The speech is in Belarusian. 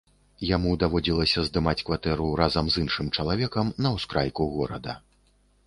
Яму даводзілася здымаць кватэру разам з іншым чалавекам на ўскрайку горада.